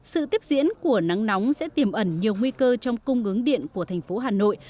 sự tiếp diễn của nắng nóng sẽ tiềm ẩn nhiều nguy cơ trong cung ứng điện của thành phố hà nội